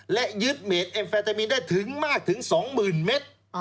และยึดเมตรเอมเฟตามีนได้ถึงมากถึง๒หมื่นเมตร